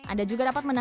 anda juga dapat mencoba